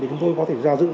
để chúng tôi có thể giả dụng